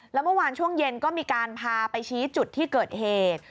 แล้วเมื่อวานช่วงเย็นก็มีการพาไปชี้จุดที่เกิดเหตุ